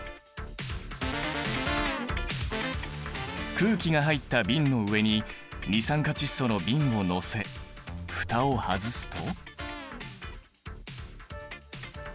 空気が入った瓶の上に二酸化窒素の瓶をのせ蓋を外すと？